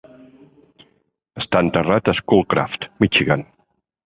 Està enterrat a Schoolcraft, Michigan.